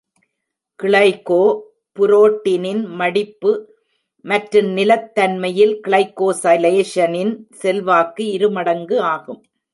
கிளைகோபுரோட்டினின் மடிப்பு மற்றும் நிலைத்தன்மையில் கிளைகோசைலேஷனின் செல்வாக்கு இரு மடங்கு ஆகும்.